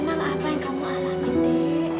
emang apa yang kamu alamin di